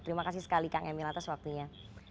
dikanggih militas waktunya